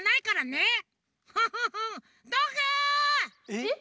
えっ！？